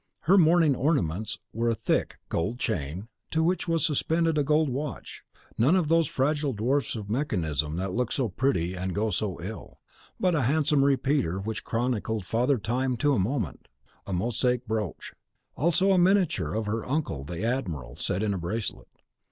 Her morning ornaments were a thick, gold chain, to which was suspended a gold watch, none of those fragile dwarfs of mechanism that look so pretty and go so ill, but a handsome repeater which chronicled Father Time to a moment; also a mosaic brooch; also a miniature of her uncle, the admiral, set in a bracelet.